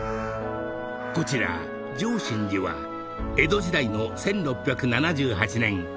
［こちら淨眞寺は江戸時代の１６７８年